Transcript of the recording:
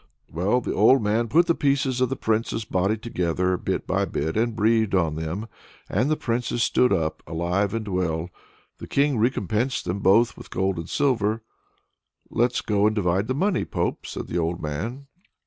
Well, the old man put the pieces of the Princess's body together, bit by bit, and breathed on them and the Princess stood up alive and well. The King recompensed them both with silver and gold. "Let's go and divide the money, Pope," said the old man.